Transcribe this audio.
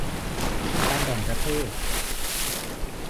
การแบ่งประเภท